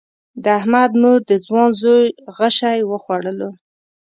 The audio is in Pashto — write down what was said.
د احمد مور د ځوان زوی غشی وخوړلو.